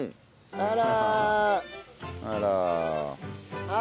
あら。